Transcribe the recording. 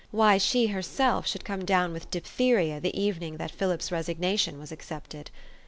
why she herself should come down with diphtheria the evening that Philip's resignation was accepted?